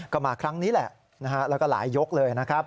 ก็มาครั้งนี้แหละแล้วก็หลายยกเลยนะครับ